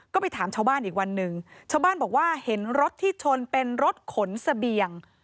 ก็ไปถามชาวบ้านอีกวันหนึ่งชาวบ้านบอกว่าเห็นรถที่ชนเป็นรถขนเสบียง